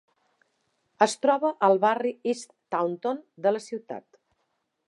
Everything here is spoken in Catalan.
Es troba al barri "East Taunton" de la ciutat.